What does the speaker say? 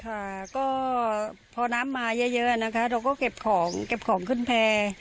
ค่ะก็พอน้ำมาเยอะนะคะเราก็เก็บของเก็บของขึ้นแพร่